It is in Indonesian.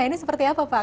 ini seperti apa pak